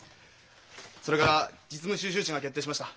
それから実務修習地が決定しました。